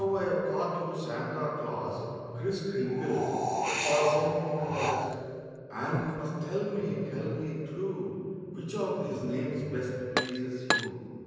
I have caught you Santa Claus, Kriss Kringle or St. Nicholas, And you must tell me, tell me true. Which of these names best pleases you'?